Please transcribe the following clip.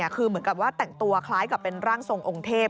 คือเหมือนกับว่าแต่งตัวคล้ายกับเป็นร่างทรงองค์เทพ